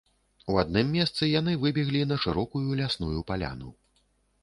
У адным месцы яны выбеглі на шырокую лясную паляну.